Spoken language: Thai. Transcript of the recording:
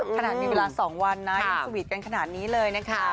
ขนาดมีเวลา๒วันนะยังสวีทกันขนาดนี้เลยนะคะ